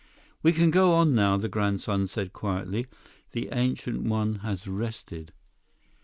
"We can go on now," the grandson said quietly. "The Ancient One has rested."